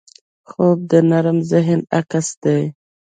خوب د نرم ذهن عکس دی